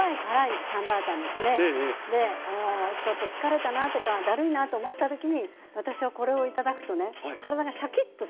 ちょっと疲れたなとかだるいなと思った時に私はこれを頂くとね体がシャキッとするんですよ。